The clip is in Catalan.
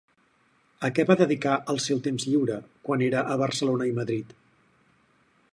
A què va dedicar el seu temps lliure quan era a Barcelona i Madrid?